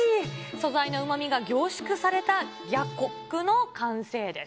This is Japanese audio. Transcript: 素材のうまみが凝縮されたギャコックの完成です。